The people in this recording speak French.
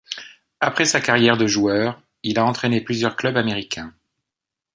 Après sa carrière de joueur, il a entrainé plusieurs clubs américains.